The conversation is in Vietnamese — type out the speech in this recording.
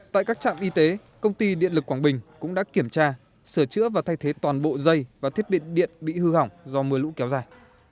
tại các trạm y tế công ty điện lực quảng bình cũng đã kiểm tra sửa chữa và thay thế toàn bộ dây và thiết bị điện bị hư hỏng do mưa lũ kéo dài